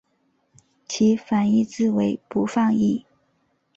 其反义字为不放逸。